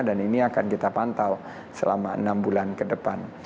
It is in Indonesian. dan ini akan kita pantau selama enam bulan ke depan